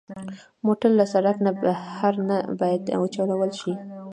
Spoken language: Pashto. موټر له سړک نه بهر نه باید وچلول شي.